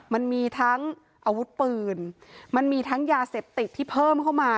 มันมีทั้งอาวุธปืนมันมีทั้งยาเสพติดที่เพิ่มเข้ามา